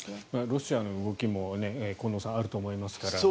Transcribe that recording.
ロシアの動きも近藤さん、あると思いますから。